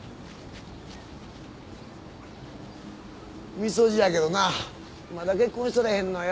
三十路やけどなまだ結婚しとらへんのよ